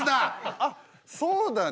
あっそうだね。